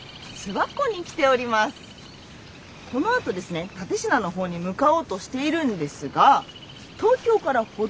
このあとですね蓼科の方に向かおうとしているんですが東京から程近い